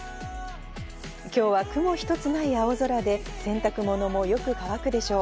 今日は雲一つない青空で、洗濯物もよく乾くでしょう。